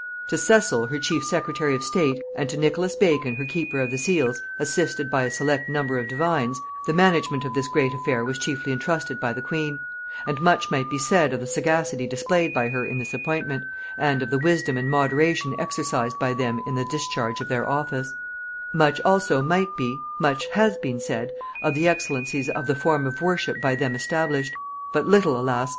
To Cecil her chief secretary of state and to Nicholas Bacon her keeper of the seals, assisted by a select number of divines, the management of this great affair was chiefly intrusted by the queen: and much might be said of the sagacity displayed by her in this appointment, and of the wisdom and moderation exercised by them in the discharge of their office; much also might be, much has been said, of the excellencies of the form of worship by them established; but little, alas!